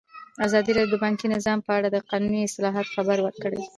ازادي راډیو د بانکي نظام په اړه د قانوني اصلاحاتو خبر ورکړی.